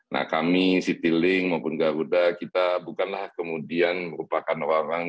nah kami citylink maupun garuda kita bukanlah kemudian merupakan orang